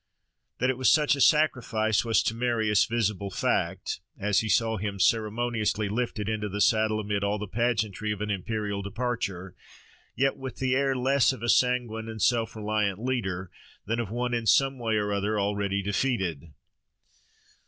That it was such a sacrifice was to Marius visible fact, as he saw him ceremoniously lifted into the saddle amid all the pageantry of an imperial departure, yet with the air less of a sanguine and self reliant leader than of one in some way or other already defeated.